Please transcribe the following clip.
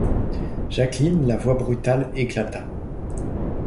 Jacqueline, la voix brutale, éclata.